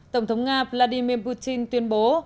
tổng thống nga vladimir putin tuyên bố